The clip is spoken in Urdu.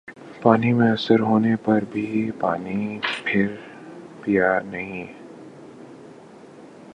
پانی میسر ہونے پر بھی پانی پھر پیا نہیں ہر